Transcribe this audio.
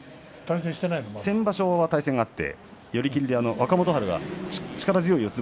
先場所、対戦があって寄り切りで若元春が力強い四つ